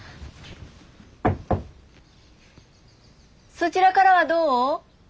そちらからはどう？